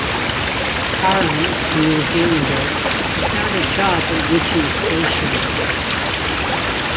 Carron, a New Zealander, had found a job at Wydgee Station.